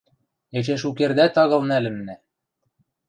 Эче шукердӓт агыл нӓлӹннӓ...